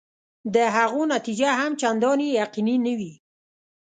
د هغو نتیجه هم چنداني یقیني نه وي.